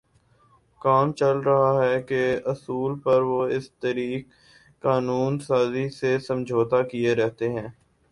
کام چل رہا ہے کے اصول پر وہ اس طریقِ قانون سازی سے سمجھوتاکیے رہتے ہیں